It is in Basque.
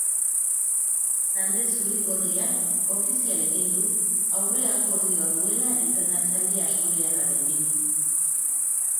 Talde zuri-gorriak ofizial egin du aurreakordioa duela entrenatzaile asturiarrarekin.